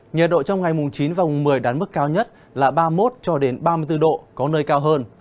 nhật độ trong ngày chín một mươi đạt mức cao nhất là ba mươi một ba mươi bốn độ có nơi cao hơn